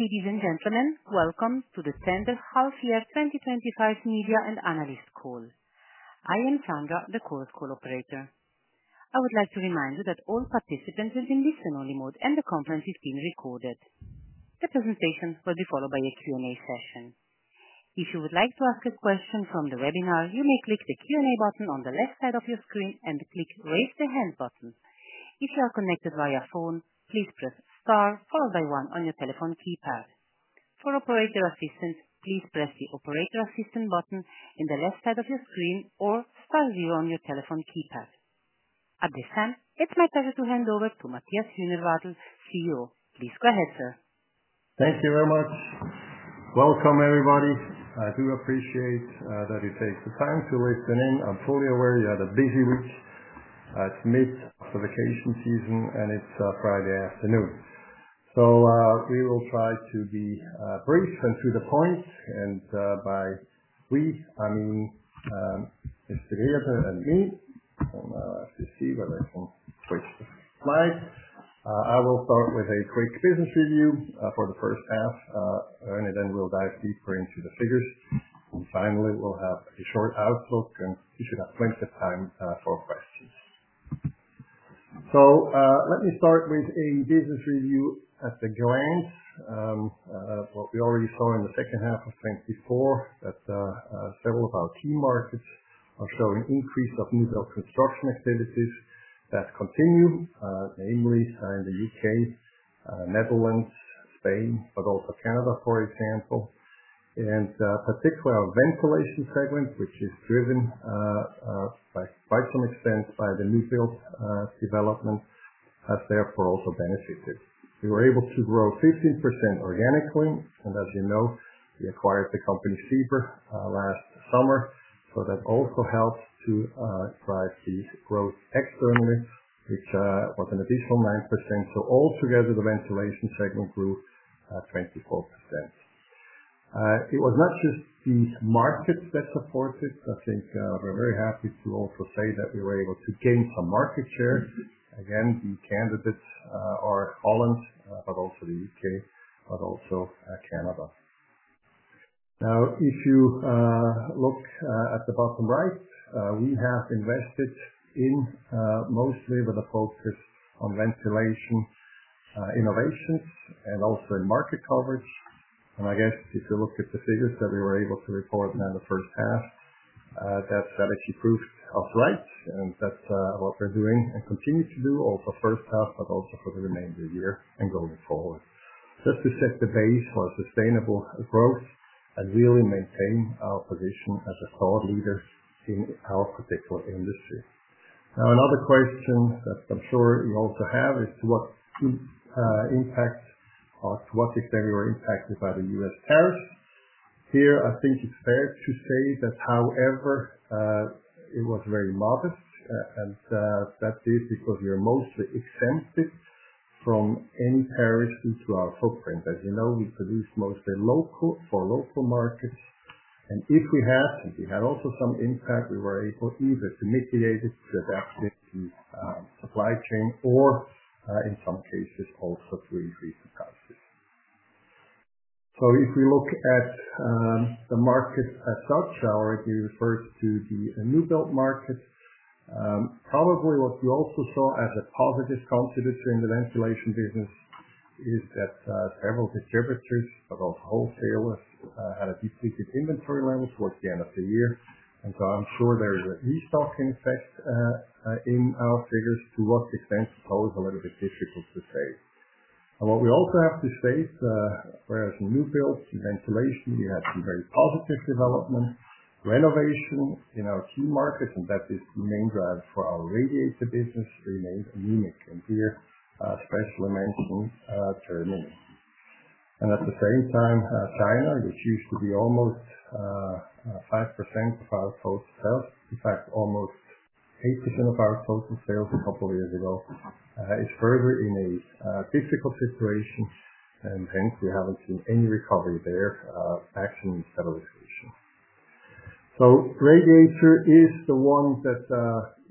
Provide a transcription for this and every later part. Ladies and gentlemen, welcome to the Zehnder group half year 2025 media and analyst call. I am Chandra, the call operator. I would like to remind you that all participants are in listen-only mode and the conference is being recorded. The presentations will be followed by a Q&A portion. If you would like to ask a question from the webinar, you may click the Q&A button on the left side of your screen and click the raise hand button. If you are connected via phone, please press Star followed by one on your telephone keypad. For operator assistance, please press the Operator Assistant button on the left side of your screen or Star, zero on your telephone keypad. At this time, it's my pleasure to hand over to Matthias Huenerwadel, CEO. Please go ahead, sir. Thank you very much. Welcome everybody. I do appreciate that you take the time to wait. I'm fully aware you had a busy week. It's mid provocation season and it's Friday afternoon. We will try to be brief and through the points. By brief I mean Esteria and me on our left, you see. I won't switch the slide. I will start with a quick business review for the first half Ernie. Then we'll dive deeper into the figures and finally we'll have a short outflow since you should have plenty of time for processes. Let me start with a business review at the grants. What we already saw in 2H 2024 is that several of our key markets are undergoing an increase of new building construction activities that continue in Emirates and the U.K., Netherlands, Spain, but also Canada for example, and particularly our ventilation segment, which is driven to quite some extent by the new field development, has therefore also benefited. We were able to grow 15% organically and as you know we acquired the company Siber last summer. That also helps to drive this growth externally, which was an additional 9%. Altogether the ventilation technology grew 24%. It was not just the market that supported. I think we're very happy to also say that we were able to gain some market share. Again the candidates are Holland, but also the U.K., but also Canada. Now if you look at the bottom right, we have invested in mostly with the focus on ventilation innovations and also in market coverage. I guess if you look at the figures that we were able to report in the first half, that proves right and that's what we're doing and continue to do over the first half but also for the remainder of the year and going forward just to set the pace for sustainable growth and really maintain our position as thought leaders in our particular industry. Another question that I'm sure you also have is what impact or to what external impact divided by the U.S. tariffs here? I think it's fair to say that however it was very modest and that is because we are mostly exempted from tariffs due to our local footprint. As you know, we produce mostly local for local markets. If we had also some impact, we were able either to mitigate that in the supply chain or in some cases also through price rises. If we look at the markets at cloud salary, they refer to the new built market. Probably what we also saw as a positive contributor in the ventilation business is that thermal distributors or wholesalers had a distributed inventory level towards the end of the year. I'm sure there is restocking effects in our figures; to what extent poses a little bit difficult to face, what we also have to face. Whereas in new build ventilation we had some very positive development renovations in our key markets and that is main drive for our radiator business remains anemic. Here especially maintenance, and at the same time, this used to be almost 5% of our total sales. In fact, almost 80% of our total sales a couple years ago is further in a difficult situation and hence you haven't seen any recovery there actually. So radiator is the one that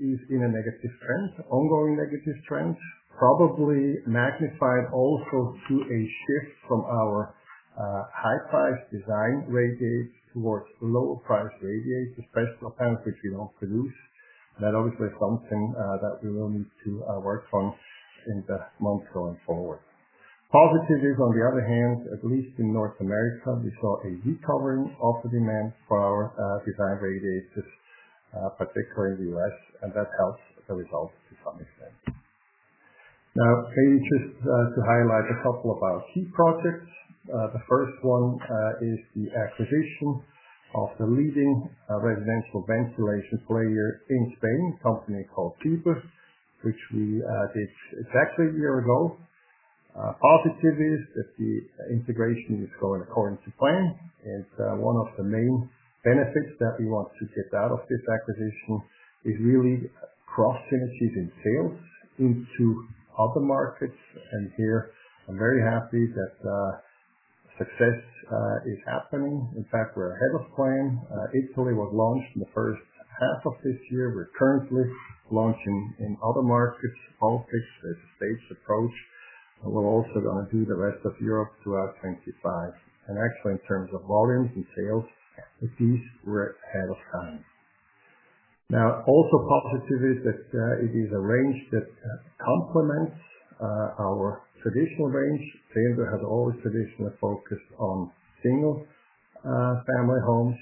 is in a negative trend. Ongoing negative trends, probably magnified also through a shift from our high price design radiators towards the lower price radiated physical panels which we don't produce. That is obviously something that we will need to work from in the months going forward. Positive is, on the other hand, at least in North America we saw a recovering of the demand for our design radiators, particularly in the U.S., and that helps the results to some extent. Now just to highlight a couple of our key projects. The first one is the acquisition of the leading residential ventilation player in Spain, a company called Siber, which we did exactly a year ago. The integration is going according to plan. One of the main benefits that we want to shift out of this acquisition is really cross synergies in sales into other markets. I'm very happy that it's happening. In fact, we're ahead of plan. Italy was launched in the first half of this year. We're currently launching in other markets, all pitched as a staged approach. We're also going to do the rest of Europe throughout 2025, and actually in terms of volumes and sales these were ahead of time. Also positive is that it is a range that complements our traditional range. Zehnder has always traditionally focused on single-family homes,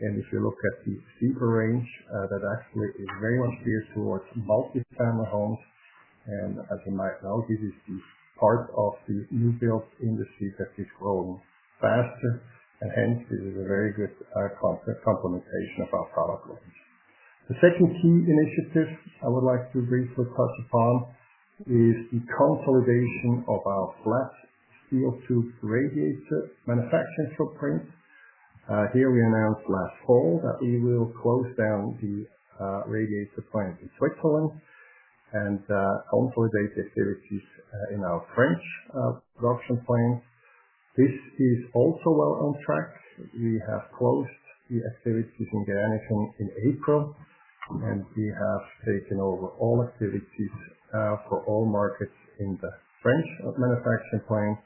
and if you look at the Siber range, that actually is very much towards multi-family homes. As a micro, this is the part of the new build indices that have been growing faster and hence this is a very good complementation of our portfolio. The second key initiative I would like to briefly focus on is the consolidation of our flat tubes radiator manufacturing footprint here. We announced last fall that we will close down the radiator facility in Switzerland and onboard data services in our current Gränichen point. This is also well on track. We have closed the activities, we go under anything in April and we have taken over all activities for all markets in the French manufacturing plant.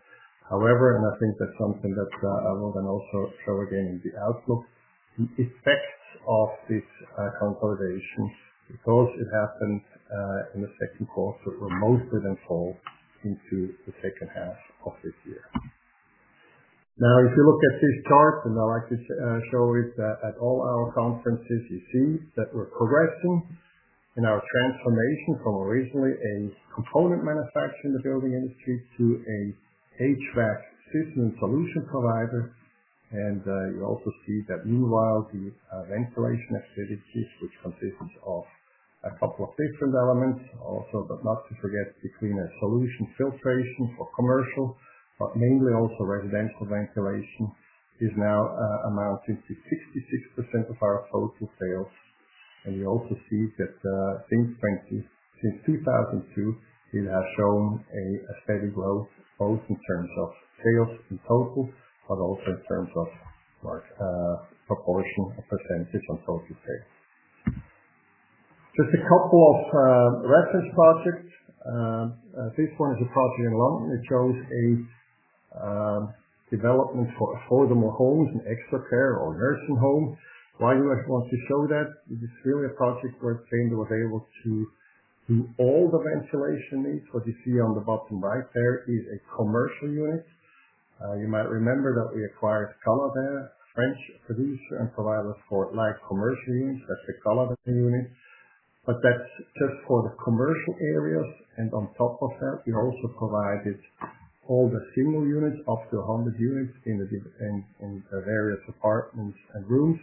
However, I think that's something that I will then also show again in the outlook and effects of the validation because it happened in the second quarter, most of them fall into the second half of this year. Now if you look at this chart, I like to show it at all our conferences, you see that we're progressing in our transformation from originally a component manufacturer in the building industry to a HVAC system solution provider. You also see that meanwhile the ventilation strategies, which consist of a couple of different elements also, but not to forget between pollution filtration for commercial, but mainly also residential ventilation, is now amounting to 66% of our total sales. You also see that in 2022 it has shown a steady growth both in terms of sales in total but also in terms of proportional opportunity on total sales. There's a couple of reference projects. This one is a project loan. It shows a development for affordable homes, an extra care or nursing home. Why do I want to show that? It is really a project grid sandal available to all the ventilation needs. What you see on the bottom right there is a commercial unit. You might remember that we acquired Caladair, the French producer and provider for live commercial units. That's the color of the unit, but that's just for the commercial areas. On top of that, we also provided all the single units up to 100 units on various apartments and rooms.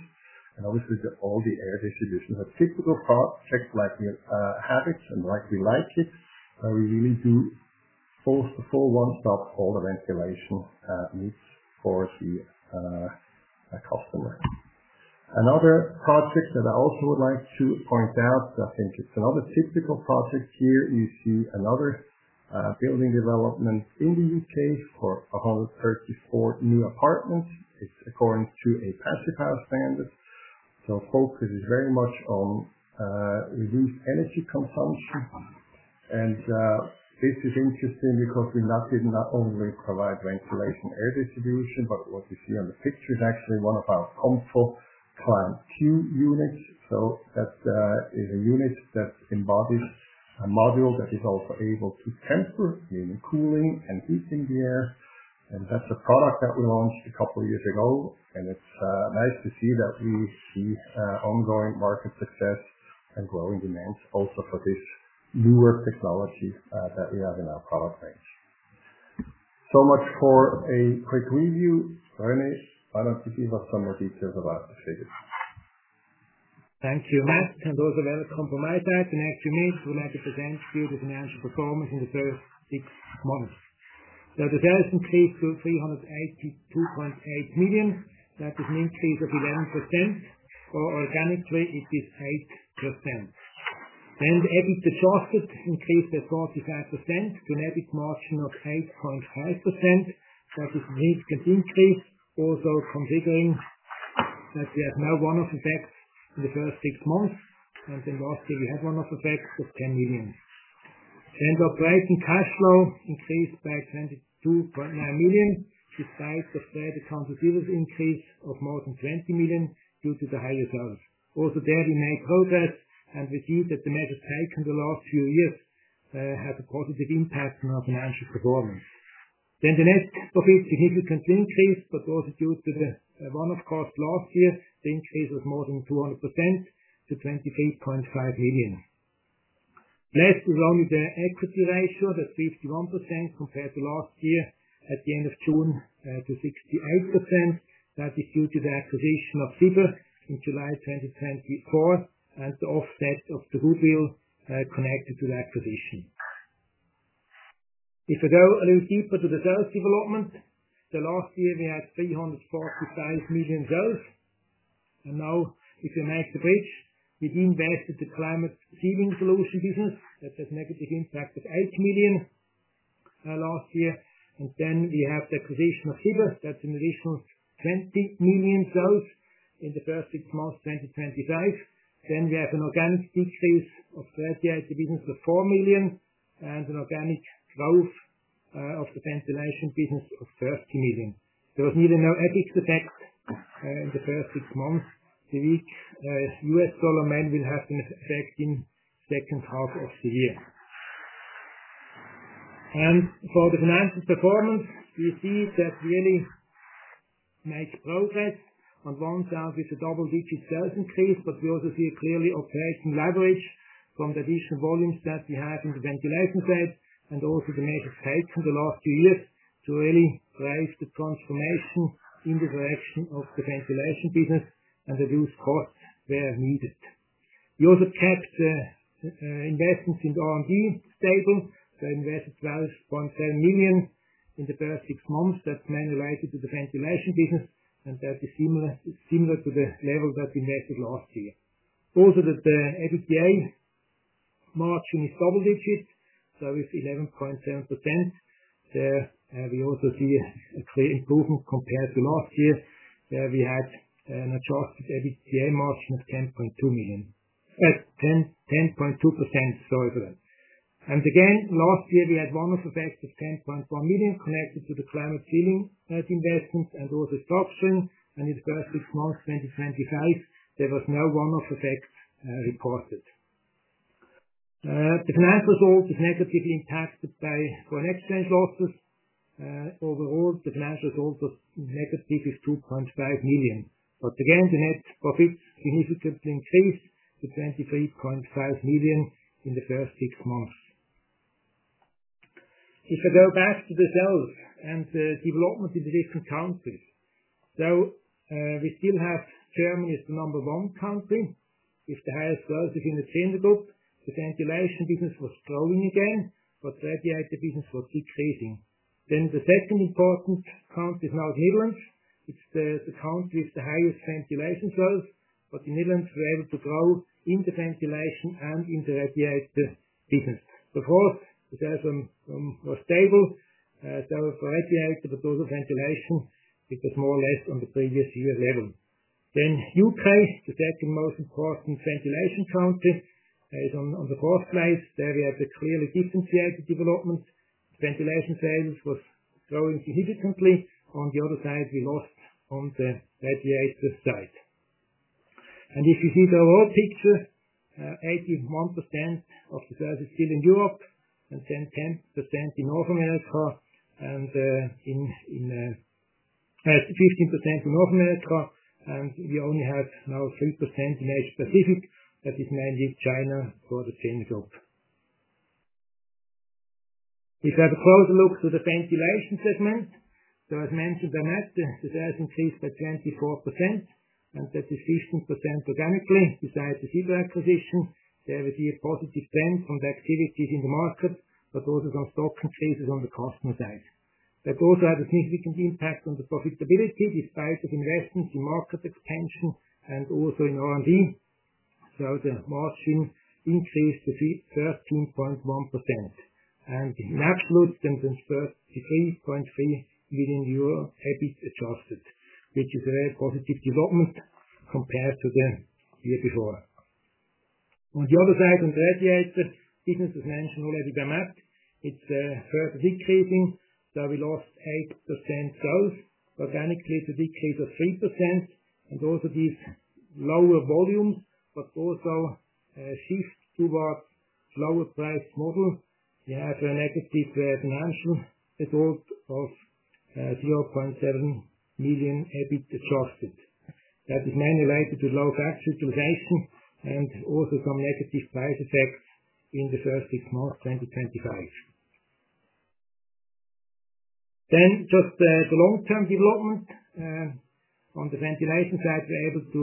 Obviously, all the air distribution has cyclical costs. Things like the Hatis and likely Lightfish. We really do full one stop all the ventilation needs for the customer. Another project that I also would like to point out, I think it's another physical project. Here you see another building development in the United States for 134 new apartments. It is according to a passive house standard. Focus is very much on reduced energy consumption. This is interesting because we did not only provide ventilation air distribution. What you see on the picture is actually one of our Comfo plan Q units. That is a unit that embodies a module that is also able to transfer in cooling and heating the air. That's a product that we launched a couple years ago and it's nice to see that we see ongoing market success and growing demands also for this newer technology that we have in our product range. So much for a quick review. René, why don't you give us some more details about the figures. Thank you, Matt. Also, connect to me dramatic potential financial performance and repair. Six months the sales increased to $382.8 million. That is an increase of 11%. For organically it is 8%. The EBITDA profit increased by 45%. The net margin of 8.5% for the continuously. Also considering that we have no one of a debt in the first six months and lastly we have runoff effect of $10 million. General Brighton cash flow increased by $22.9 million despite the Fed accounts of diverse increase of more than $20 million due to the high reserves. Also there remained quote red and reduced. That the measure takes in the last few years had a positive impact on our financial performance. The net significant increase but also due to the runoff cost last year the increase was more than 200% to $23.5 million. Last is only the equity ratio the 51% compared to last year at the end of June to 68%. That is due to the acquisition of Siber in July 2024 and the offset of the goodwill connected to that position. If we go a little deeper to the sales development, the last year we had $345 million sales and now if you navigate we de-invested the climate seeding solution business that has negative impact of $8 million last year. We have the acquisition of Huber. That's an additional $20 million sales in the perfect month 2025. We have an organic decrease of 30 attributions of $4 million and an organic growth of the ventilation business of Thirsty meeting. There was nearly no epic defect in the first six months to week. U.S. Solar main will have an effect in second half of the year and for the financial performance we see that really make progress on one side with a double digit sales increase. We also see clearly operation leverage from the additional volumes that we had on the ventilation plate and also the native H from the last two years to really raise the transformation imperfection of the ventilation business and reduce cost where needed. We also kept investments in R&D stable so invested $12.7 million in the past six months that manufactured to the ventilation business. That is similar to the level that invested last year. Also that the EBITDA margin is double digits. It's 11.7%. We also see a clear improvement compared to last year where we had an approximate EBITDA margin of $10.2 million at 10.2%. Sorry for that. Again last year we had one of the best of $10.1 million. Connected to the climate ceiling at investment and was a start strength and ITS growth big small 2025. There was no warmer for that reported. The canonical growth is negatively impacted by foreign exchange losses. Overall, the financial result of negative is €2.5 million. Again, the net profit initially increased to €23.5 million in the first six months. If I go back to the sales and development in the different countries, we still have Germany as the number one country with the highest growth. Within the Zehnder Group, the ventilation business was growing again, but radiator business was decreasing. The second important country is the Netherlands. It's the country with the highest ventilation flows, but the Netherlands were able to grow in the ventilation and in the radiator difference. Before, the business was stable, there was radiator and also ventilation. It was more or less on the previous year level. Ukraine, the second most important ventilation country on the course place, had a clearly differentiated development. Ventilation sales was growing significantly. On the other side, we lost on the radiator per site. If you see the lower picture, 81% of the Versace sales in Europe, then 10% in North America, and 15% in Northern Europe. We only have now 3% in Asia Pacific. That is mainly China for the same drop. If you have a closer look to the ventilation segment, as mentioned, domestic has increased by 24% and the decision pertain predominantly besides the acquisition, the average positive trends on the activities in the market, but also some stock increases on the customer base. They also had a significant impact on the profitability, the size of investments, the market expansion, and also in R&D. The margin increased to 13.1% and the net flow then transferred to €3.3 million habits adjusted, which is a positive development compared to the year before. On the other side, on radiators, the business expansion already grabbed. It's further decreasing. We lost 8% growth. Organically, it's a decrease of 3% and also these lower volumes, but also a shift towards lower price model. We had Renegade 1300, a total of €0.7 million a bit source tube that is mainly related to low gas utilization and also some negative price effects in the first six months.2025. Regarding the long-term development, on the ventilation side we're able to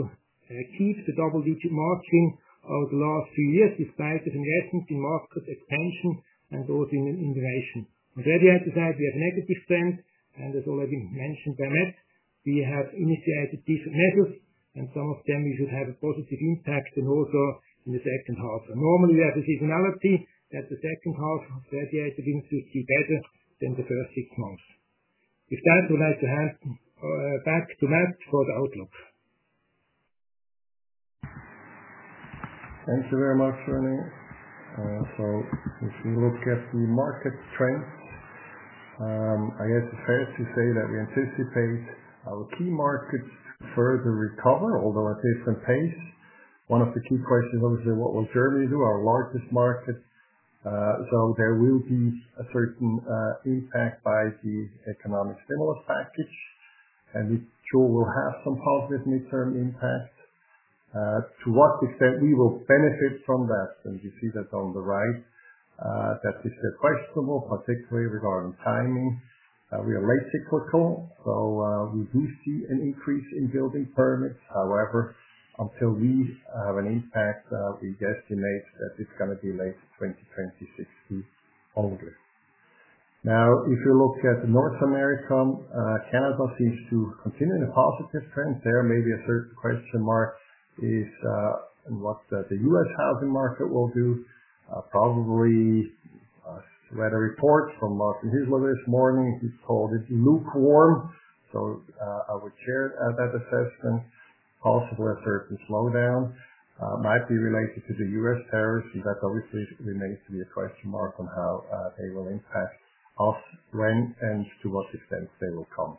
achieve the double-digit margin over the last few years despite this investment in market expansion. On those integration with radiator type we have a negative trend, and as already mentioned by Max, we have initiated different measures and some of them should have a positive impact. Also, in the second half, normally we have a seasonality that the second half of radiator lines would see better than the first six months. With that, I would like to hand back to Matt for the outlook. Thank you very much. Market strength I guess the fairest. You say that we anticipate our key markets further recover although at different pace. One of the key questions obviously what will Germany do, our largest market. There will be a certain effect by the economic stimulus factors and it sure will have some positive midterm impact. To what extent we will benefit from that, and you see that on the right, that it's questionable particularly regarding timing. We are lazy local so we do see an increase in building permits. However, until we have an impact, we estimate that it's going to be late 2026. Now if you look at the North America channel, seems to continue in a positive trend. There may be a third question mark is what the U.S. housing market will do. Probably we had a report from newsletter this morning, lukewarm, so I would share that assessment. Possible efforts to slow down might be related to the U.S. tariffs. In fact, obviously remains to be a question mark on how they will impact or when and to what extent they will come.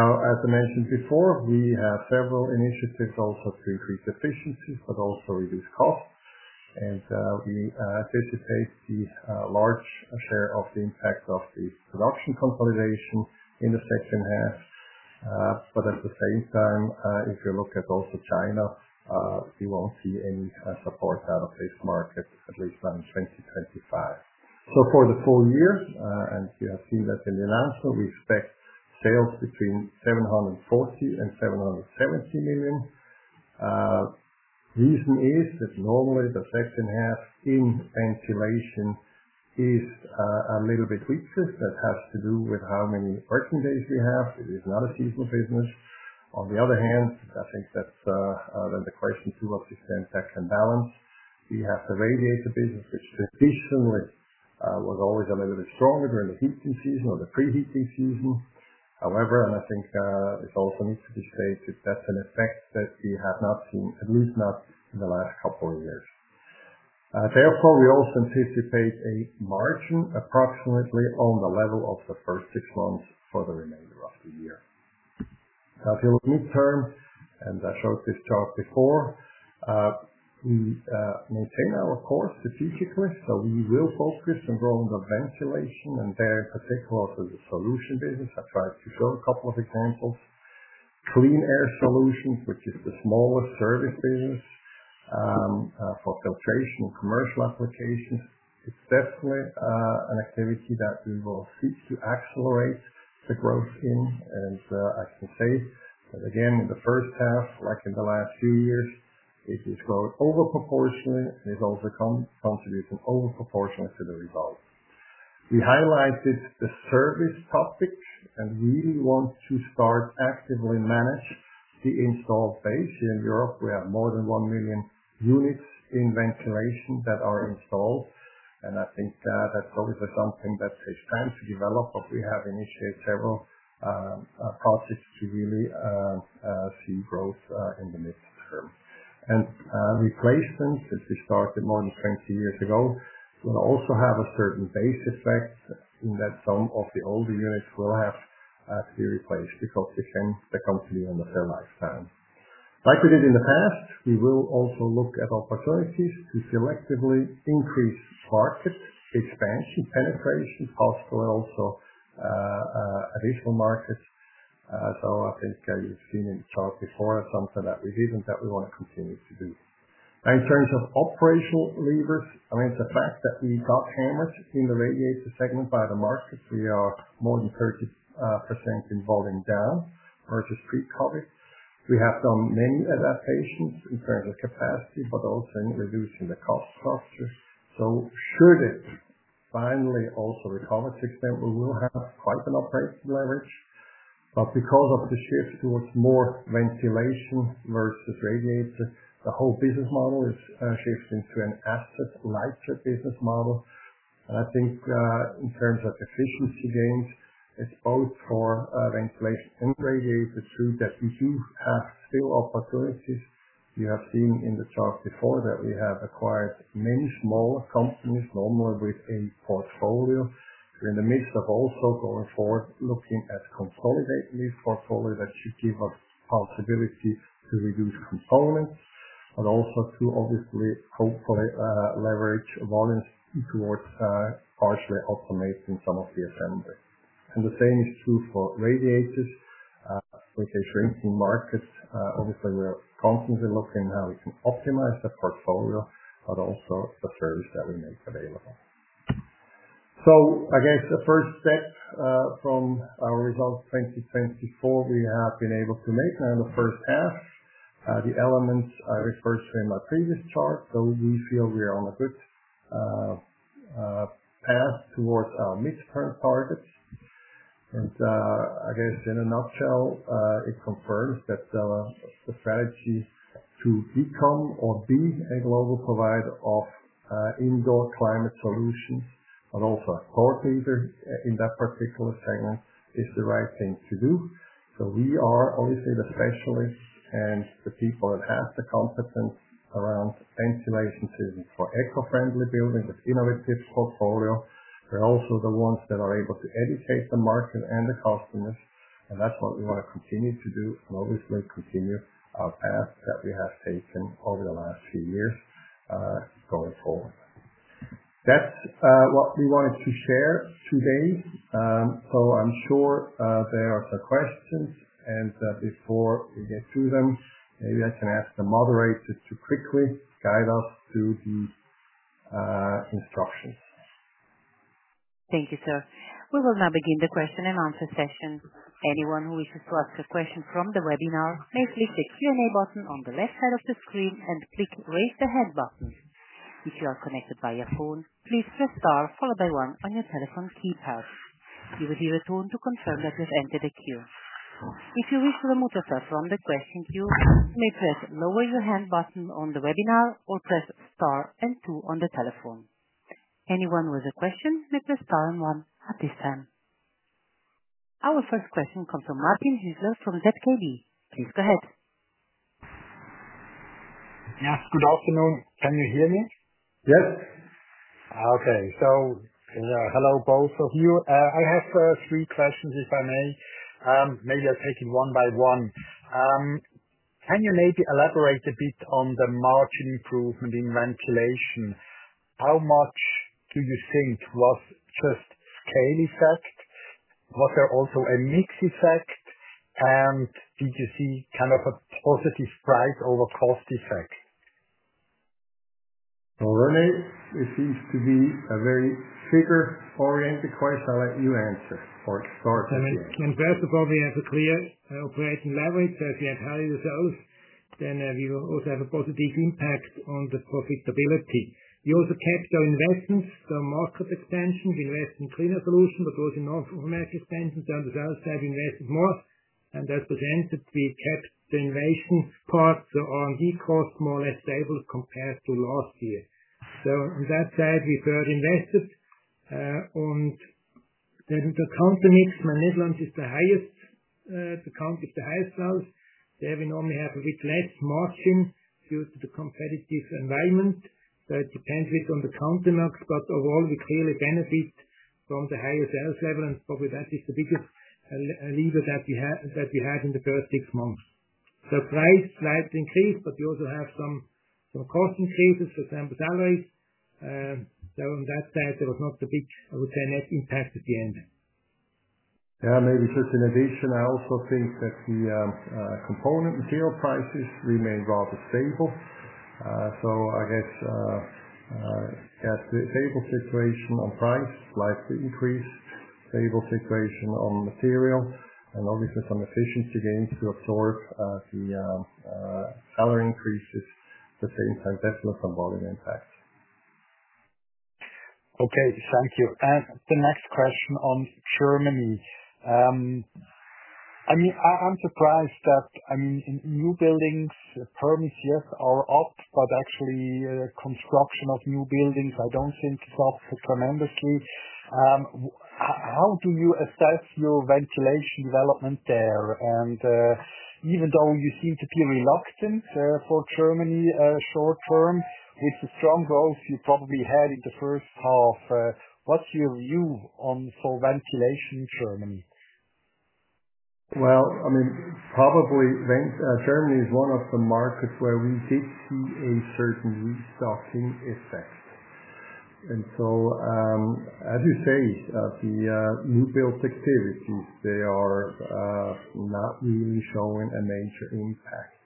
Now, as I mentioned before, we have several initiatives, also see increased efficiencies but also reduce costs. We anticipate the large share of the impacts of these production consolidation in effect in half. At the same time, if you look at also China Dewalt, so for the full year, and you have seen that in the announcement, we expect sales between €740 million and €770 million. Reason is that normally the fact in half in insulation is a little bit weaknesses that has to do with how many working days we have, that is not a feeble fitness. On the other hand, I think that's the question to spend that can balance. We have the radiator business, which traditionally was always a little bit stronger during the heating season or the preheating season. However, and I think it all comes to dictate, that's an effect that we have not seen, at least not in the last couple of years. Therefore, we also anticipate a margin approximately on the level of the first six months for the remainder of the year. I showed this chart before. We maintain our course strategically. We will focus and go on the ventilation and there in particular to the solution business. I'd like to go a couple of examples. Clean air solutions, which is the smaller service business for cultivation commercial applications, is definitely an activity that we will seek to accelerate the growth in. I can say that again in the first half, like in the last few years, it is over-proportionate results, contribution over-proportionate to the result. We highlighted the service topics and really want to start actively manage the installed base. Here in Europe, we have more than 1 million units in ventilation that are installed. I think that's always something that takes time to develop. We have initiated several parts which really see growth in the mid term. Replacement, as we started more than 20 years ago, will also have a certain base effect that some of the older units will have to be replaced because the things that come to be on the fair lifespan, like we did in the past. We will also look at our priorities. We selectively increase part fit expense, IT enterprises, also additional markets. I think you've seen and saw it before, for that reason that we want to continue to do in terms of operational levers. The fact that we got hammers in the radiator segment by the market, we are more than 30% in volume down versus pre-COVID. We have done many adaptations in terms of capacity but also in reducing the cost. Should it finally also recover, then we will have quite an operational leverage. Because of the shift towards more ventilation versus radiator, the whole business model is shifted into an asset-light business model. I think in terms of efficiency gains, it's both for rental rates on graduated. True that we do have still opportunity. You have seen in the charts before that we have acquired many small companies, normally with a portfolio in the midst of also going forward, looking at controlling this portfolio that gives us possibility to reduce component but also to obviously hopefully leverage volume towards partially automating some of the assembly. The same is true for radiators markets. Obviously, we're constantly looking how we can optimize the portfolio but also the service that we make available. I guess the first step from our results 2024, we have been able to make the first half the elements I refer to in my previous chart. We feel we're on a good path toward our midterm targets. I guess in a nutshell, it confirms that the strategies to become or be a global provider of indoor climate solution, but also a coordinate in that particular segment, is the right thing to do. We are obviously the specialists in the T4 and are competent around anti-latencies for eco-friendly building with an innovative portfolio. They're also the ones that are able to educate the market and the customers, and that's what we want to continue to do and obviously continue our path that we have taken over the last few years going forward. That's what we wanted to share today. I'm sure there are questions, and before we get through them, maybe I can ask the moderator to quickly guide us through the instructions. Thank you, sir. We will now begin the question-and-answer session. Anyone who wishes to ask a question from the webinar, please click the Q&A button on the left side of the screen and click the Raise the Hand button. If you are connected via phone, please press star followed by one on your telephone keypad. You will hear a tone to confirm that you have entered the queue. If you wish to remove yourself from the question queue, you may press the Lower Your Hand button on the webinar or press star and two on the telephone. Anyone who has a question may press star and one at this time. Our first question comes from Martin Hüsler from ZKB. Please go ahead. Good afternoon, can you hear me? Yes. Okay, hello both of you. I have three questions if I may. Maybe I'll take it one by one. Can you maybe elaborate a bit on the margin improvement in ventilation? How much do you think was first pain effect? Was there also a mix effect, and did you see kind of a positive price over cost effect? René, it seems to be a very figure for I'll let you answer for. You have a clear operating leverage. If you have high results, then you also have a positive impact on the profitability. We also capped our investments from Moscow expansion. We invest in three solutions because in North America expansion down the south having less and more, and as presented, we the cap generations part, so R&D cost more or less stable compared to last year. On that side, we've heard investors, and then with the countermeasures normals is the highest to count with the highest values there, we normally have a bit less margin due to the competitive environment. That depends on the countermarks, but overall we really benefit from the higher sales level. Probably that is the biggest levers that you had in the first six months. The price slightly increased, but you also have some cost increases, for example, salaries. On that side, there was not a big, I would say, net impact at the end. Maybe just in addition, I also think that the component material prices remain rather stable. I guess at the table situation on price, but the increase stable situation on material and obviously some efficiency gains to absorb the salary increases, the same transactional from volume impacts. Thank you. The next question on Germany. I'm surprised that, I mean new buildings firmly yes, are up, but actually construction of new buildings I don't think across the conundrum. How do you assess your ventilation development there? Even though you seem to be reluctant for Fermi short term with the strong growth you probably had in the first half, what's your view on full ventilation in Germany? Germany is one of the markets where we see a certain resourcing effect. As you say, the new build experience there is not really showing a major impact.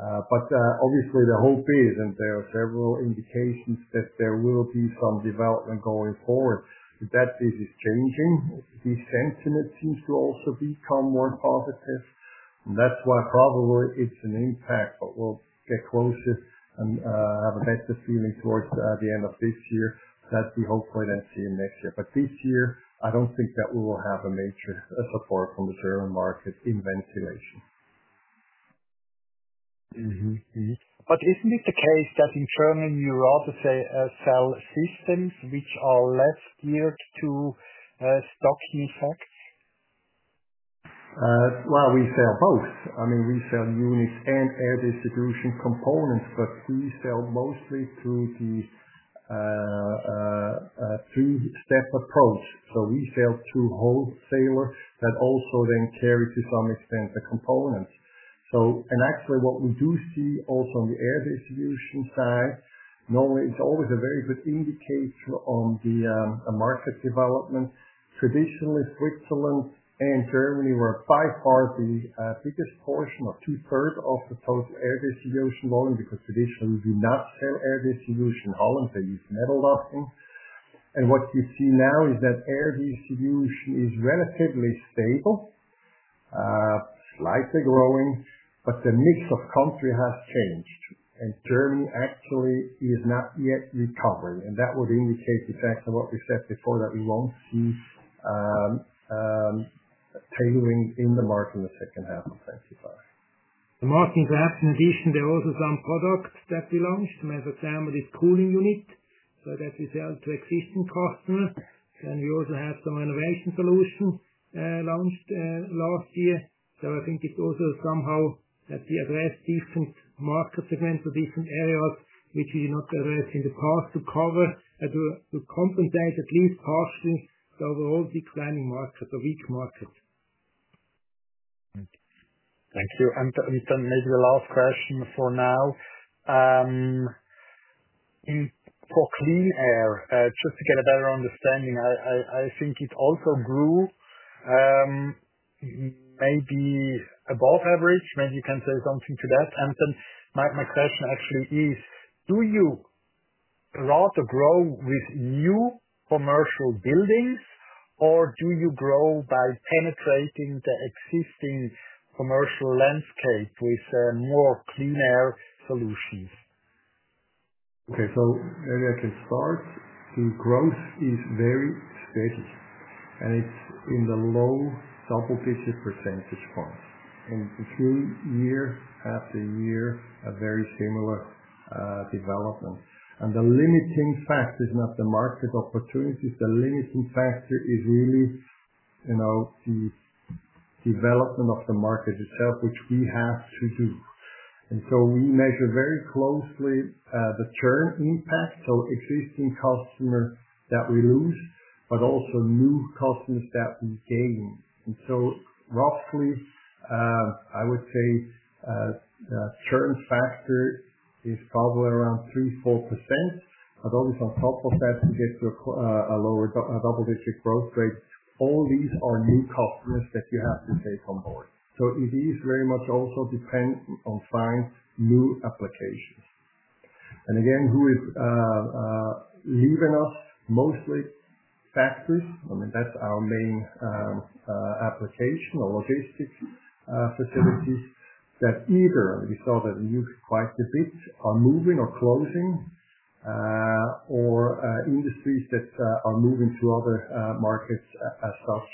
Obviously, the hope is, and there are several indications, that there will be some development going forward that this is changing. The sentiment seems to also become more positive. That's why probably it's an impact. We'll get close to have a negative feeling towards the end of this year. That's the whole point. See next year. This year I don't think that we will have a major support on the very market in ventilation. Isn't it the case that internal Zehnder systems, which are less geared to stock effort. We sell both. I mean we sell units and air distribution components, but we sell mostly through the three-step approach. We sell through wholesalers that also then carry extensive components. Actually, what we do see also on the air distribution side, Norway is always a very good indicator on the market development. Traditionally, Switzerland and Germany were by far the biggest portion, or two thirds, of the total air distribution volume. Traditionally, we do not sell air distribution in the Netherlands; they use metal. What you see now is that air distribution is relatively stable. Lights are growing, but the mix of country has changed. Germany actually is not yet recovering. That would indicate the taxable effect before that it won't be tailoring in the margin, the second half of sanctuary, the margin grabs. In addition, there are also some products that we launched, as example this cooling unit, so that we sell to existing customers. We also have some innovation solution launched last year. I think it also somehow addressed different markets again for different areas which we not address in the past. To cover it will compensate at least partially the overall declining market, the weak market. Thank you. Maybe the last question for now. For clean air, just to get a better understanding, I think it also grew maybe above average. Maybe you can say something to that. My question actually is do you rather grow with new commercial buildings or do you grow by penetrating the existing commercial landscape with more clean air solutions? Okay, maybe I can start. Growth is very species and it's in the low south 50% quality full year after year, a very similar development. The limiting factor is not the market opportunities. The limiting factor is really, you know, the development of the market itself which we have to do. We measure very closely the churn impact, so existing customers that we lose but also new customers that we gain. Roughly, I would say churn factor is probably around 3%, 4%. Always on top of that, we get to a lower double-digit growth rate. All these are new customers that you have to face on board. It is very much also dependent on finding new applications. Again, who is leaving us? Mostly factories. I mean, that's our main application or logistics facilities that either we saw that we use quite a bit are moving or closing or industries that are moving to other markets as such.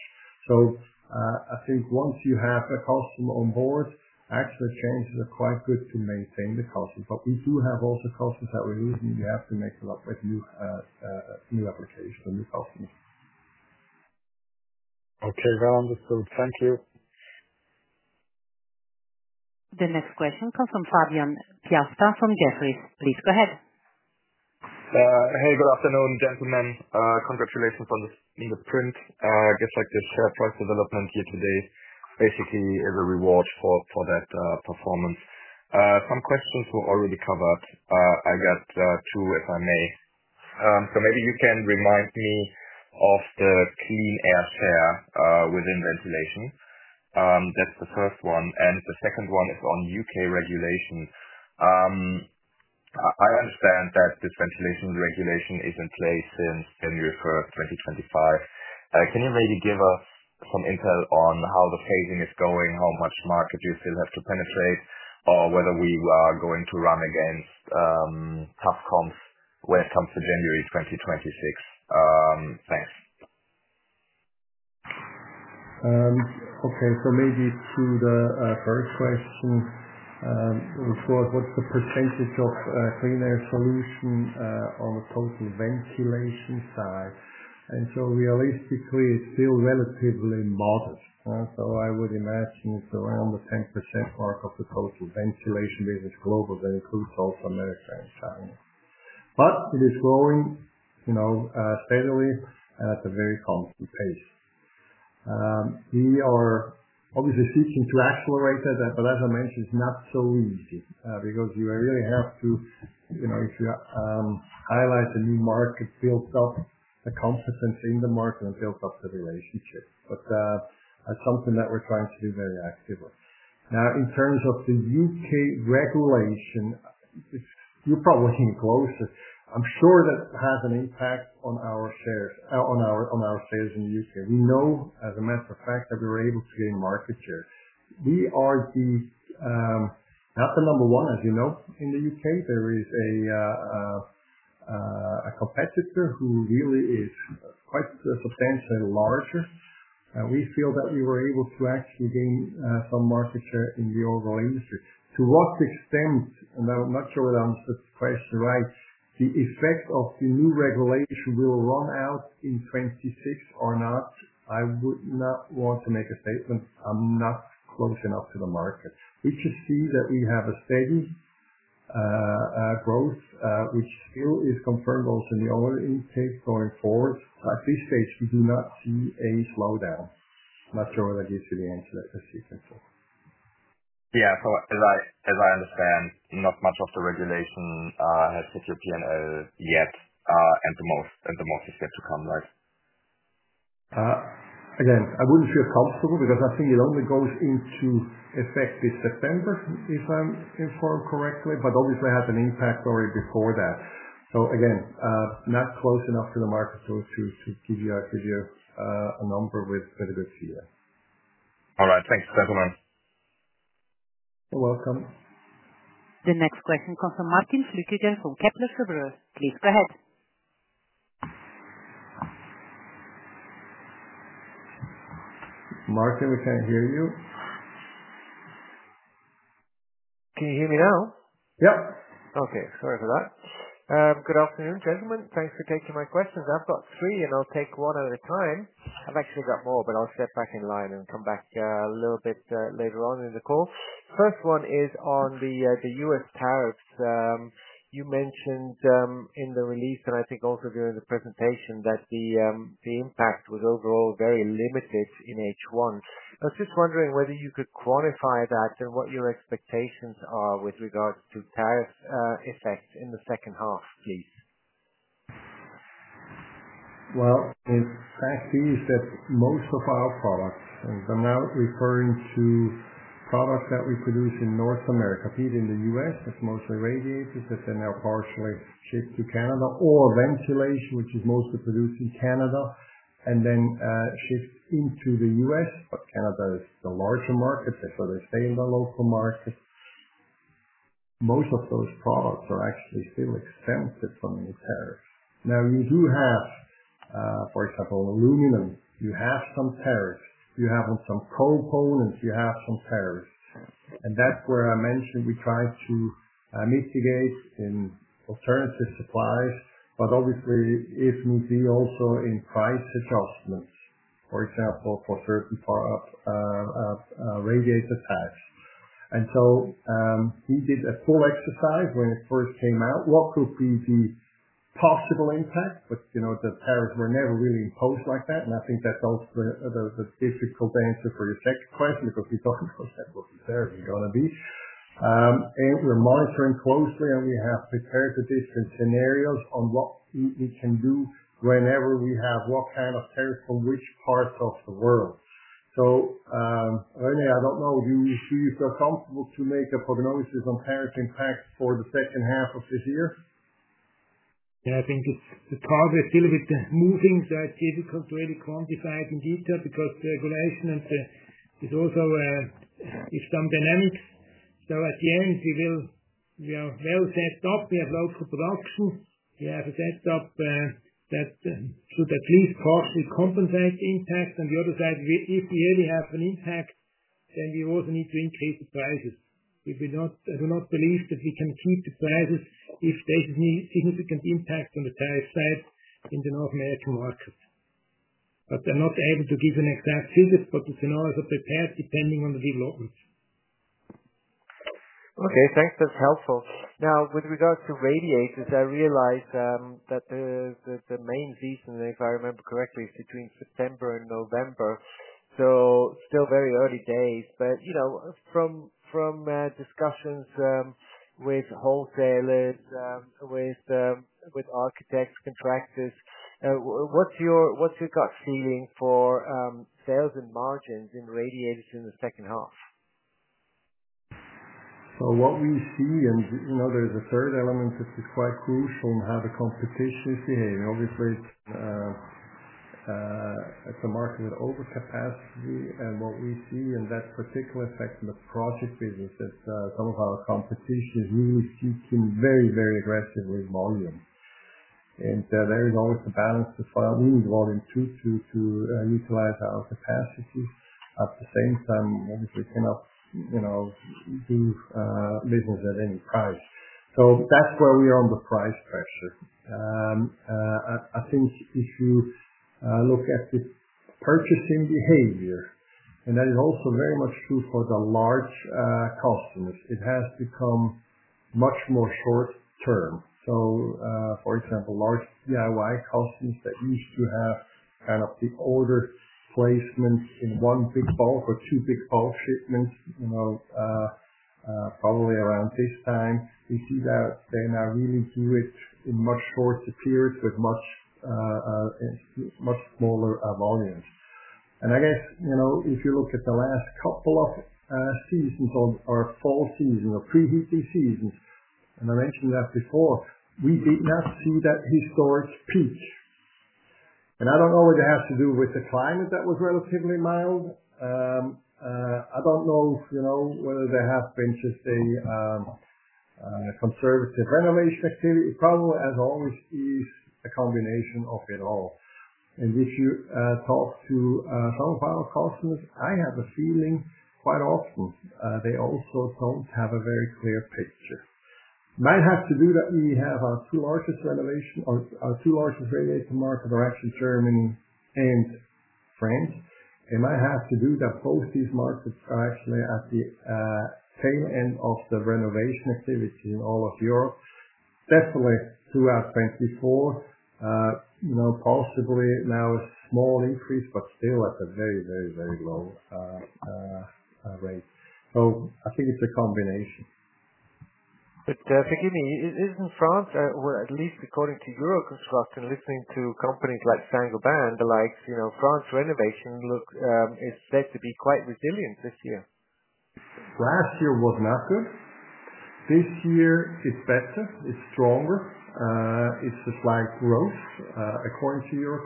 I think once you have a customer on board, actual changes are quite good to maintain the cost of. We do have all the courses that we recently have to make them up with new applications. Okay, understood. Thank you. The next question comes from Fabian Piasta from Jefferies. Please go ahead. Hey, good afternoon, gentlemen. Congratulations on the print just like this development yesterday basically as a reward for that performance. Some questions were already covered. I got two if I may. Maybe you can remind me of the clean air solutions within ventilation. That's the first one. The second one is on U.K. regulation. I understand that the ventilation regulation is in place since January 1, 2025. Can you really give us some intel on how the pacing is going? How much market you still have to penetrate or whether we are going to run against tough comps when it comes to January 2026. Okay, from Egypt to the first question, what's the percentage of trainer solution on the post ventilation side? Realistically it's still relatively modest. I would imagine it's around the 10% mark of the total. The installation business global, that includes also Medicare and Savion. It is growing, you know, steadily at a very constant pace. We are obviously teaching to explorator that but as I mentioned it's not so easy because you really have to, you know, if you highlight the new markets field, stuff a competence in the market and build up the relationship. That's something that we're trying to be very active on. Now in terms of the U.K. regulation, you're probably closer. I'm sure that has an impact on our shares, on our sales and users. We know as a matter of fact that we were able to gain market share. We are the capital number one. As you know in the U.K. there is a competitor who really is quite substantially larger. We feel that we were able to actually gain some market share in the overall industry. To what extent and I'm not sure whether I'm subscribed right. The effect of the new regulation will run out in 2026 or not. I would not want to make a statement. I'm not close enough to the market. We should see that we have a savings growth which still is confirmed also in the oil intake going forward. At this stage we do not see any slowdown. Not sure that gives you the answer that. Yeah, as I understand, not much of the regulation has secured your P&L yet, and the most is yet to come. Right. I wouldn't feel comfortable because I think it only goes into effect September if I'm informed correctly, but obviously has an impact already before that. Not close enough to the Microsoft to give you actually a number with a good feeder. All right, thanks very much. Welcome. The next question comes from Martin Flueckiger from Kepler Cheuvreux. Please go ahead. Martin, we can't hear you. Can you hear me now? Yeah. Okay. Sorry for that. Good afternoon gentlemen. Thanks for taking my questions. I've got three and I'll take one at a time. I've actually got more but I'll step back in line and come back a little bit later on in the call. First one is on the U.S. tariffs you mentioned in the release and I think also during the presentation that the impact was overall very limited in H1. I was just wondering whether you could quantify that and what your expectations are with regards to tariff effects in the second half, please. You see that most of our products, I'm now referring to products that we produce in North America, Peter, in the U.S. as mostly radiators that they're now partially shipped to Canada or ventilation which is mostly produced in Canada and then gets into the U.S., but Canada is the larger market so they stay in the local market. Most of those products are actually still expensive for maintenance. Now you do have, for example, aluminum, you have some ceramic, you have on some components, you have some ferrous. That's where I mentioned we try to mitigate in alternative supplies. Obviously, it also invites adjustments, for example, for certain radiator tariffs. We did a full exercise when it first came out. What could be the possible impact? The tariffs were never really imposed like that. I think that tells the difficult answer for your second question because you talked, of course, that would be the tariff going to be. We're monitoring closely and we have prepared the different scenarios on what we can do whenever we have what kind of tariffs from which parts of the world. René, I don't know. Do you feel comfortable to make a prognosis on tariff impacts for the second half of this year? I think the target a little bit moving. That's difficult to really quantify it in Utah because the relation and the is also some dynamics. At the end we are well set up. We have low propaganda. We have a setup that at least cost will compensate impact on the other side. If we really have an impact, we also need to increase the prices. If we do not believe that we can keep the prices. If there is any significant impact on the states in the North American market, I'm not able to give exact figures, but the scenarios are prepared depending on the development. Okay, thanks, that's helpful. Now, with regards to radiators, I realized that the main reason if I remember correctly is between September and November. Still very early days, but you know, from discussions with wholesalers, with architects in practice, what's your gut feeling for sales and margins in radiators in the second half? What we see, and there's a third element that is quite crucial in how the competition is here, is that it's a market with overcapacity. What we see in that particular effect in the front decision is some of our competition is really very aggressively volume. There is always a balance to soil in volume to utilize our capacity, at the same time obviously going to, you know, give business at any price. That's where we are on the price pressure. I think if you look at its purchasing behavior, and that is also very much true for the large customers, it has become much more short term. For example, large DIY customers that used to have kind of the order placements in one fit bowl or two big pulse shipments probably around this time, you see that they now really reach in much shorter spirit with much, much smaller volumes. I guess, if you look at the last couple of seasons or fall season or preheat this season, and I mentioned that before, we did not see that historic peak. I don't know what it has to do with the climate that was relatively mild. I don't know whether they have been just a conservative renovation activity. Probably as always, it is a combination of it all. If you talk to some of our customers, I have a feeling quite often they also don't have a very clear picture. It might have to do that we have our two largest renovation or our two largest radiator markets are actually Germany and France. It might have to do that both these markets are actually at the tail end of the renovation activity. All of Europe definitely throughout 2024, possibly now a small increase, but still at a very, very, very low rate. I think it's a combination. Forgive me, isn't France, at least according to Europe construction listening to companies like Saint Gobain and the likes, you know, France renovation look is said to be quite resilient this year. Last year was not good. This year it's better, it's stronger, it's supplied growth according to euro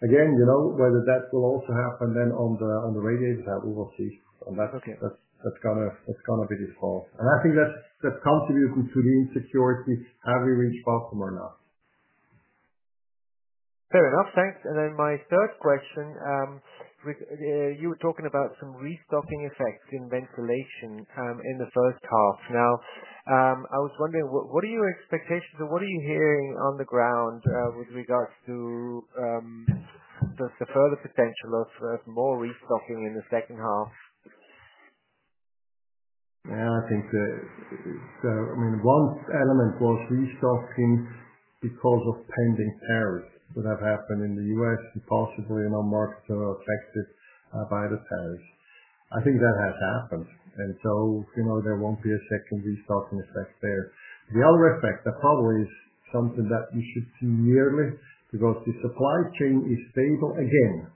again, you know, whether that will also happen then on the radiator we will see. That's kind of, that's going to be default and I think that's that contributing to the insecurities. Have we reached bottom or not? Fair enough. Thanks. My third question, you were talking about some restocking effects in ventilation in the first half. I was wondering what are your expectations or what are you hearing on the ground with regards to the superb potential of more restocking in the second half? Yeah, I think so. I mean, one element was restocking because of pending tariffs that would have happened in the U.S., possibly Marshville factor by the ferry. I think that has happened, and though there won't be a second resulting effect there, the other effect probably is something that you should see yearly because the supply chain is stable again.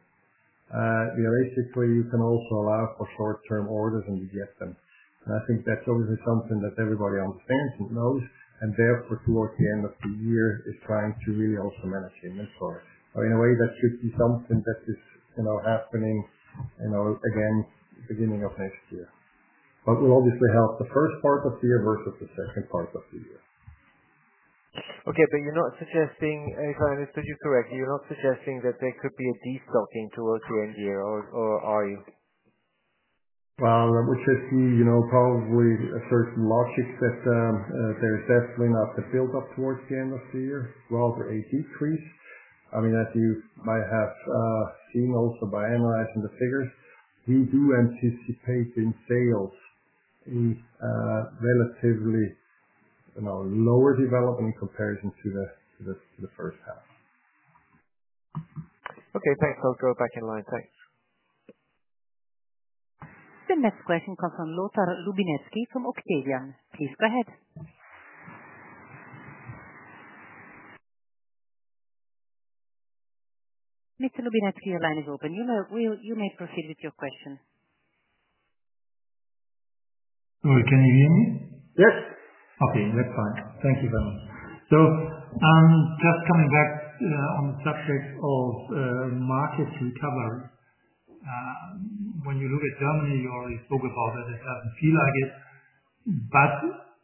Realistically, you can also allow for short-term orders on the jet fund, and I think that's obviously something that everybody understands and knows. Therefore, towards the end of the year, it's trying to really all come in a few in a way that could be something that is happening again beginning of next year, but will obviously help the first part of the year versus the second part of the year. Okay, but you're not suggesting, if I understood you correctly, you're not suggesting that there could be a default into NGA, or are you? I would just be, you know, probably a certain logic as there is destiny, not the buildup towards the end of the year. While the AG tweets, I mean that you might have emails that by analyzing the figures you do anticipate in sales a relatively lower development in comparison to the first half. Okay, thanks. I'll go back in line. Thanks. The next question comes from Lothar Lubinetzki from Octavian. Please go ahead. Mr. Lubinetzki is open. You may proceed with your question. Can you hear me? Yes. Okay, that's fine. Thank you very much. Just coming back on the subject of Markov vocabulary. When you look at Germany, you already spoke about that. It doesn't feel like it.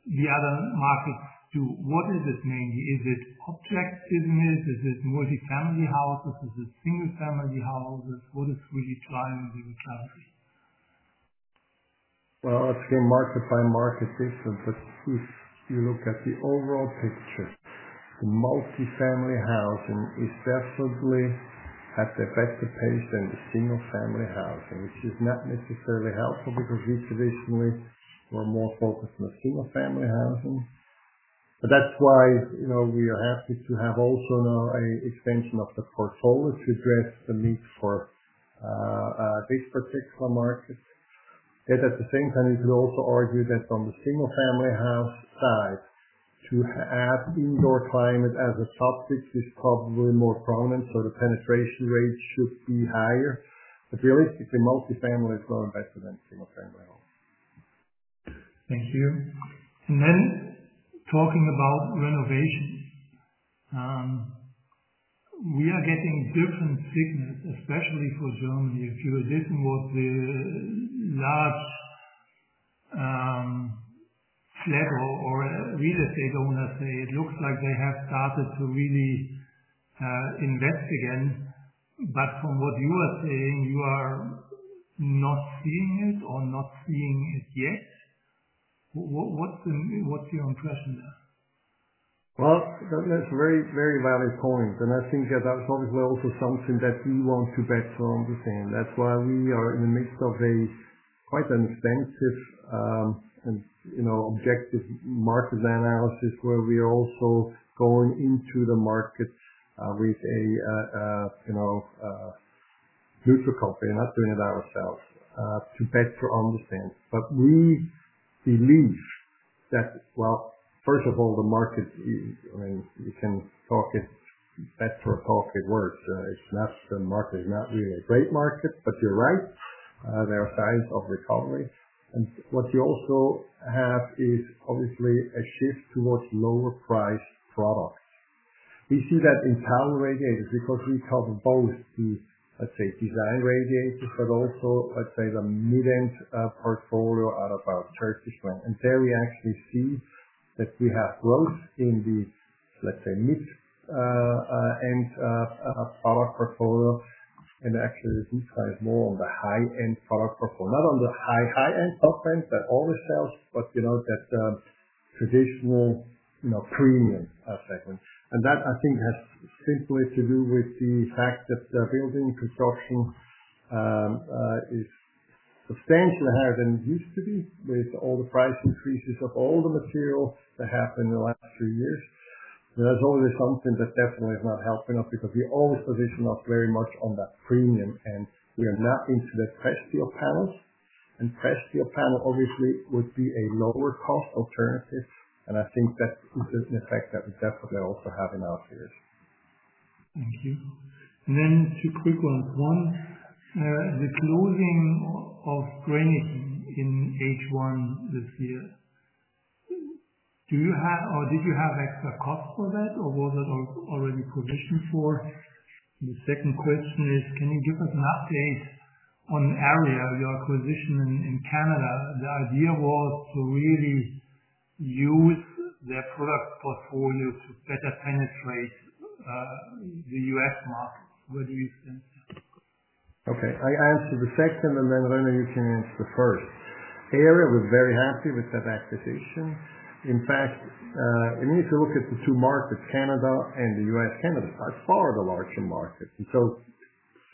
The other market too, what is it mainly? Is it objective? Is it multifamily houses? Is it single-family homes? What is really trying to do without it? It's market by market this. You look at the overall picture, the multifamily house is stressfully at the better pace than the single-family housing, which is not necessarily helpful because you traditionally were more focused on the single-family housing. That's why, you know, we are happy to have also now an extension of the portfolio to address the need for this particular market. At the same time, you could also argue that on the single-family house side, to add indoor climate as a topic is probably more prominent. The penetration rate should be higher. Realistically, multifamily is growing better than single-family home. Thank you. Talking about renovations, we are getting different signals, especially for Germany. If you didn't want the last flago or real estate owners say it looks like they have started to really invest again. From what you are saying, you are not seeing it or not seeing it yet. What's your impression there? That's a very, very valid point. I think that was obviously also something that in one Tibet so on before. That's why we are in the midst of a quite extensive and objective market analysis where we are also going into the market with a neutral company, not doing it ourselves, to better understand. We believe that, first of all, the market, I mean, we can talk it. That's where costs get worse. It's not marketing, not really a great market. You're right, there are signs of recovery. What you also have is obviously a shift towards lower price product. We see that in power radiators. You can see cover both the, let's say, design radiators, but also I'd say the mid end portfolio at about 30 grand. There we actually see that you have growth in the, let's say, mid end product portfolio and actually is more on the high end product portfolio, not on the high, high end top ends that only sell, but you know that traditional premium segment. I think that has simply to do with the fact that building consortium is substantially higher than it used to be with all the price increases of all the material that happened in the last three years. There's always something that definitely is not helping us because you also listen up very much on that premium and you're not into the tread steel panels, and pressed steel panel obviously would be a lower cost alternative. I think that's an effect that that's what we're also having out here. Thank you and then the closing of granite in H1 this year. Do you have or did you have extra cost for that, or was it already positioned for? The second question is, can you give us an update on area your acquisition in Canada? The idea was to really use their product portfolio to better penetrate the U.S. market value. Okay, I answered the second and then you can answer the first area. We're very happy with that activation impact, and we need to look at the two markets, Canada and the U.S. Canada is by far the larger market. The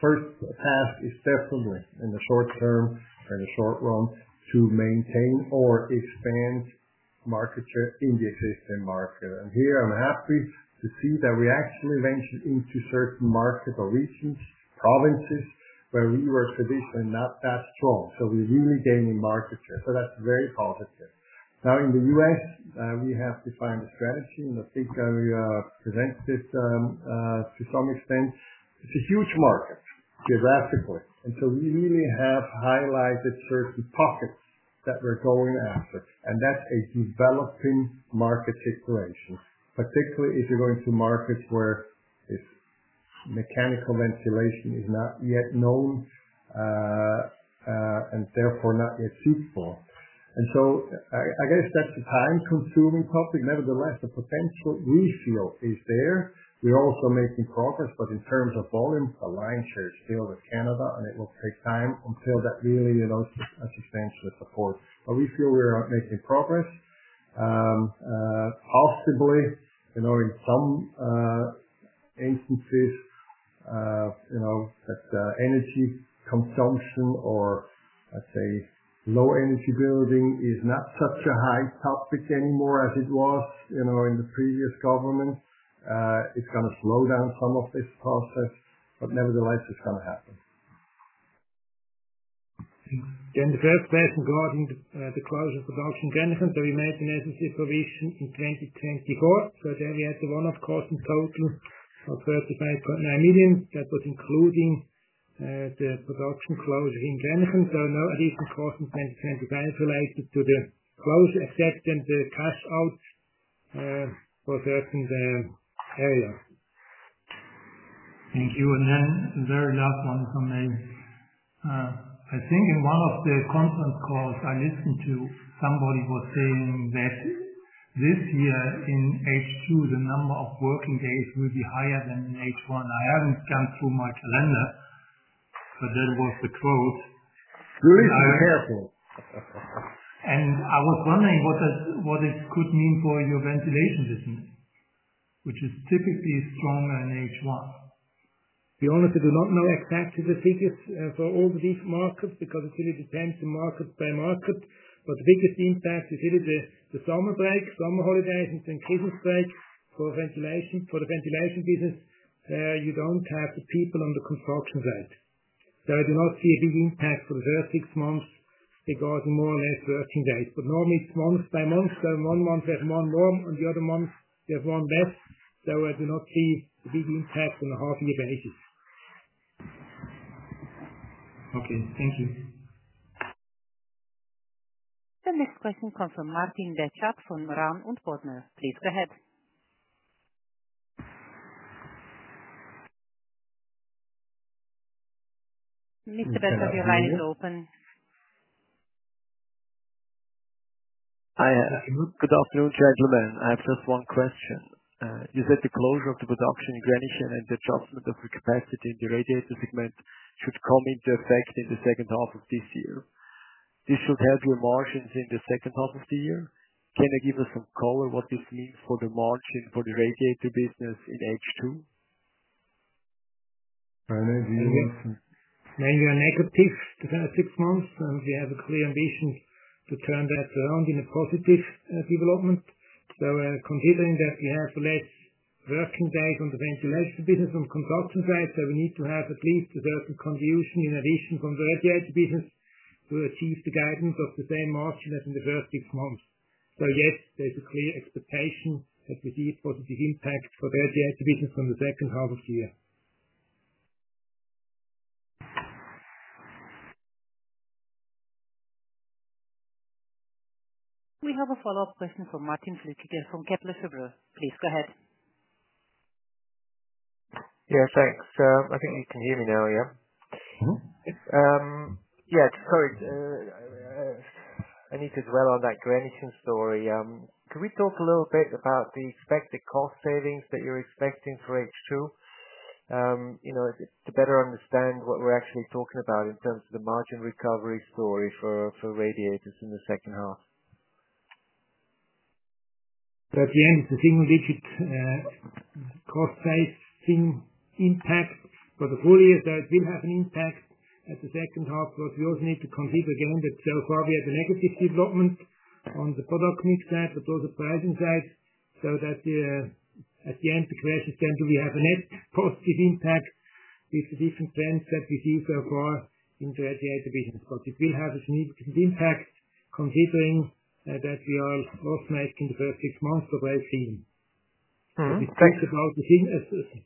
first task is certainly in the short term, in the short run, to maintain or expand market share in the existing market. Here, I'm happy to see that we actually ventured into certain markets or regions, provinces where we were traditionally not that strong. We really gained in market share, so that's very positive. In the U.S., we have defined a strategy, and I think we present this to some extent. It's a huge market geographically, and we really have highlighted strategies, deposits that we're going after. That's a developing market situation, particularly if you're going to markets where mechanical ventilation is not yet known and therefore not yet suitable. I guess that's the time-consuming topic. Nevertheless, the potential resale is there. We're also making progress, but in terms of volumes, the lion's share is still with Canada, and it will take time until that really takes at the stands for support. We feel we are making progress. Possibly, you know, in some instances, you know that energy consumption or I'd say low energy building is not such a high topic anymore as it was, you know, in the previous government. It's going to slow down some of this context, but nevertheless, it's going to happen. In the first place, regarding the closure for Switzerland that we made an SEC provision in 2024. There we had the one of course in total of $35 million. That was including the production flows in Switzerland. There are no additional forces in 2025 related to the closure, acceptance, cash outs for that. Thank you. The very last one for me, I think in one of the conference calls I listened to, somebody was saying that this year in H2 the number of working days will be higher than in H1. I haven't gone through much then, but that was the quote. Very careful. I was wondering what it could mean for your ventilation, which is typically Siber and H1. We honestly do not know exactly the figures for all these markets because it really depends on market by market. The biggest impact is really the summer break, summer holidays, and then Christmas break for ventilation. For the ventilation business, you don't have the people on the construction side. I do not see a big impact for the first six months regarding more or less bursting days. Normally it's month by month. One month has one more and the other months they have one less. I do not see the big impact on a quarterly basis. Okay, thank you. The next question comes from Martin Betschart from Rahn und Bodmer. Please go ahead. Your line is open. Hi, good afternoon gentlemen. I have just one question. You said the close of the production generation and the transfer capacity in the radiator segment should come into effect in the second half of this year. This should help with margins in the second half of the year. Can you give us some color what this means for the margin for the radiator business in H2? Financing, we are negative develops. We have a clear ambition to turn that around in a positive development. Considering that we have less working days on the ventilation business on the construction side, we need to have at least a certain contribution innovation converge business who achieves the guidance of the same marginalized in the first six months. Yes, there is a clear expectation that disease positive impact for the LGI divisions from the second half of the year. We have a follow-up question from Martin Flueckiger from Kepler Cheuvrex. Please go ahead. Yeah, thanks. I think you can hear me now. Corey, I need to dwell on that Greenishin story. Can we talk a little bit about the expected cost savings that you're expecting for H2? You know, to better understand what we're actually talking about in terms of the margin recovery story for radiators in the second half. At the end, it's a single-digit cost saving impact for the full year that will have an impact in the second half. We also need to consider that we have a negative development on the product mix side, but also prior side, so that at the end the crisis can do we have a net positive impact with the different trends that we see occur in the aggregated business. It will have a significant impact considering that we are also making the first six months of racing. It tracks about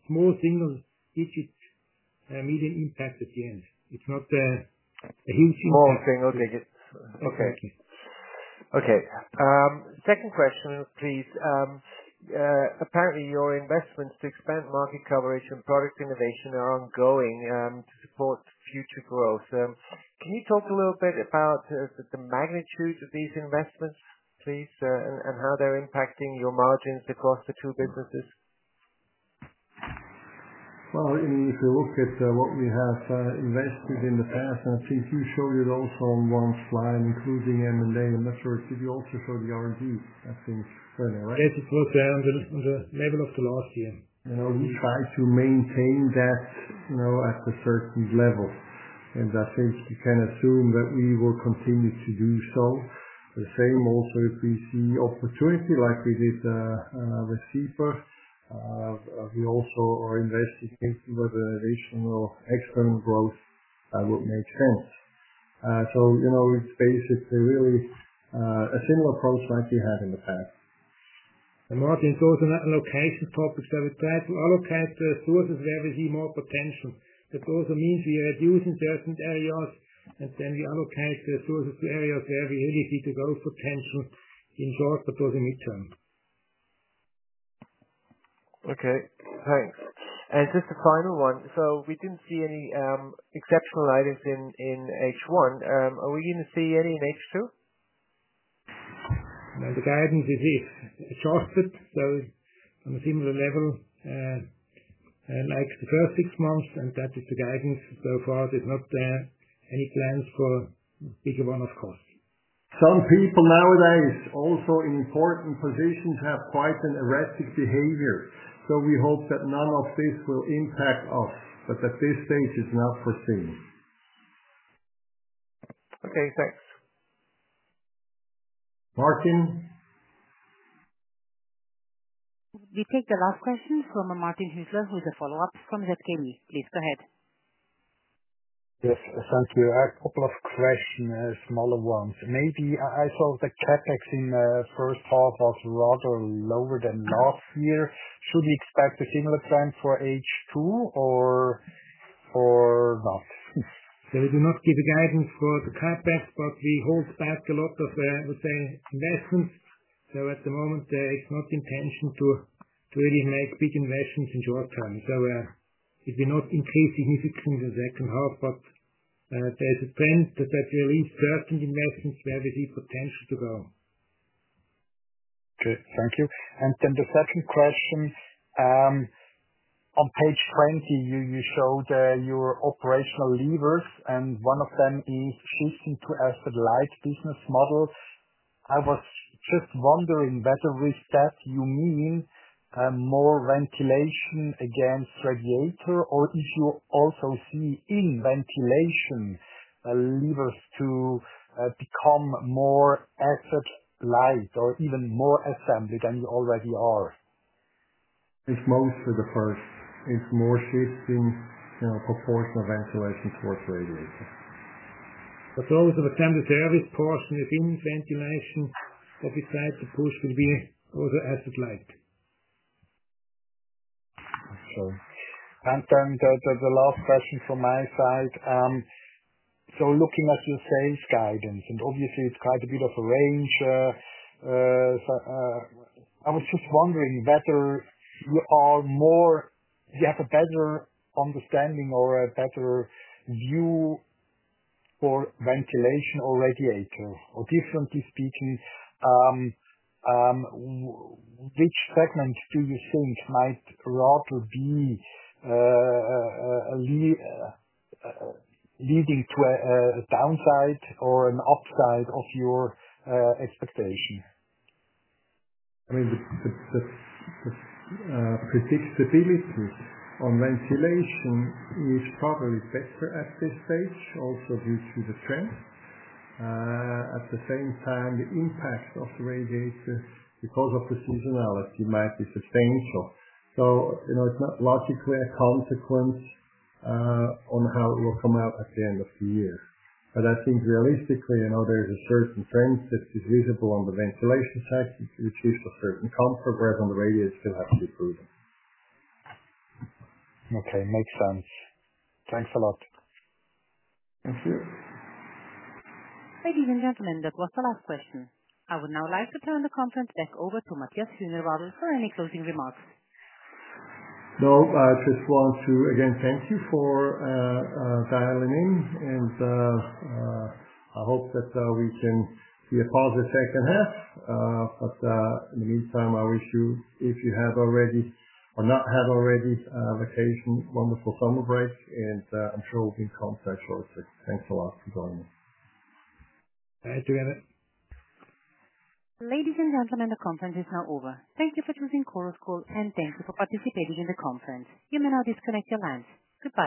small single-digit medium impact. At the end, it's not a huge small single-digit. Okay, second question please. Apparently your investments to expand market coverage and product innovation are ongoing to support future growth. Can you talk a little bit about the magnitude of these investments and how they're impacting your margins across the two businesses? If you look at what we have invested in the past and since you sold it also on one slide, including M&A, I'm not sure. Did you also show the R&D? That sounds funny, right? Yes, it was down the level of last year. We try to maintain that at certain levels, and that face you can assume that we will continue to do so. The same old PC opportunity like we did with fear. We also are investing in whether additional external growth would make sense. You know, based it's really a similar contract we had in the past. The margin goes on location topics that we try to allocate sources where we see more potential. That also means we reduce investment areas, and then we allocate the sources to areas where we really see the growth potential in those departments. Okay, thanks. Just a final one. We didn't see any exceptional items in H1. Are we going to see any in H2? Now the guidance is short fit, so on a similar level, and it's the first six months, and that is the guidance so far. There's not any plans for bigger one of course. Some people nowadays also in important positions have frightened, erratic behavior. We hope that none of this will impact us. At this stage, it's not foreseen. Okay, thanks. Martin. We take the last question from Martin Hüsler, who's a follow-up from ZKB. Please go ahead. Yes, thank you. I have a couple of questions, smaller ones maybe. I saw the CapEx in the first half was rather lower than last year. Should we expect the cumulative plan for H2 or for not, so we do not give a guidance for the CapEx, but we hold back a lot of, let's say, investments. At the moment it's not intention to really make big investments in short term. It will not increase significantly in the second half. There's a trend that there's really certain investments where we see potential to go. Okay. Thank you. The second question on page 20, you showed your operational levers, and one of them is fission to asset-light business model. I was just wondering whether with that you mean more ventilation against great water, or if you also see in ventilation levers to become more asset-light or even more assembly than you already are. If mostly the first is more cysts in proportional ventilation swath radiator. But those of attended service force with image ventilation obligated push will be auto asset-light. The last question from my side. Looking at your sales guidance and obviously, it's quite a bit of a range, I was just wondering whether you have a better understanding or a better view for ventilation or radiator. Differently speaking, which segments do you think might rather be leading to a downside or an upside of your expectation? I mean, predictability on ventilation is probably better at this phase also due to the trend. At the same time, the impact of the radiator because of the seasonality might be sustained. It's not logically a consequence on how it will come out at the end of the years. I think realistically I know there is a certain strength that is visible on the ventilation axis. It's used for certain console, whereas on the radiator still have to be fruit. Okay, makes sense. Thanks a lot. Thank you, ladies and gentlemen. That was the last question. I would now like to turn the conference back over to Matthias Huenerwadel for any closing remarks. No, I just want to again thank you for dialing in, and I hope that we can see a positive second half. In the meantime, I wish you, if you have already or not have already, vacation, wonderful, common, brave, and I'm sure we'll be home too. Actually, thanks a lot for calling me. Ladies and gentlemen, the conference is now over. Thank you for choosing Chorus Call and thank you for participating in the conference. You may now disconnect your lines. Goodbye.